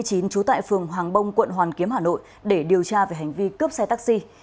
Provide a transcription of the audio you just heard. trú tại phường hoàng bông quận hoàn kiếm hà nội để điều tra về hành vi cướp xe taxi